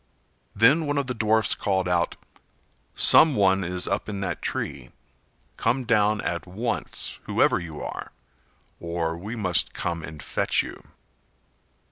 Then one of the dwarfs called out: "Some one is up in that tree. Come down at once, whoever you are, or we must come and fetch you."